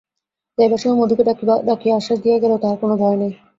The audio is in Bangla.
যাইবার সময় মধুকে ডাকিয়া আশ্বাস দিয়া গেল, তাহার কোনো ভয় নাই।